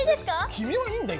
君はいいんだよ。